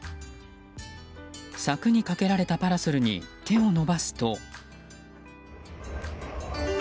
柵にかけられたパラソルに手を伸ばすと。